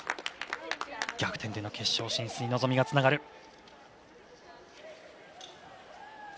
逆転での決勝進出に望みがつながる。